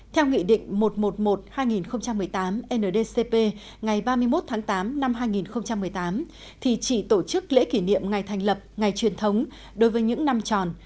theo nghị định một trăm một mươi một hai nghìn một mươi tám ndcp ngày ba mươi một tháng tám năm hai nghìn một mươi tám thì chỉ tổ chức lễ kỷ niệm ngày thành lập ngày truyền thống đối với những năm tròn